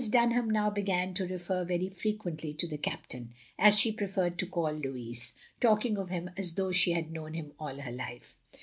Dunham now began to refer very fre quently to the Captain, as she preferred to call Lotiis, talking of him as though she had known him all her life.